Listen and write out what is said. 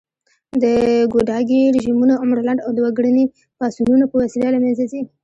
د ګوډاګي رژيمونه عمر لنډ او د وګړني پاڅونونو په وسیله له منځه ځي